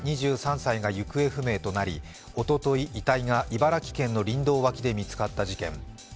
２３歳が行方不明となりおととい、遺体が茨城県の林道脇で見つかった事件。